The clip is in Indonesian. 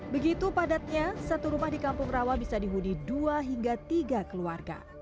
begitu padatnya satu rumah di kampung rawa bisa dihuni dua hingga tiga keluarga